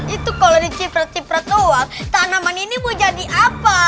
itu kalau dicipet cipret luas tanaman ini mau jadi apa